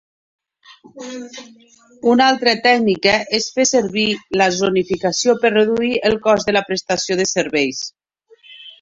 Una altra tècnica és fer servir la zonificació per reduir el cost de la prestació de serveis.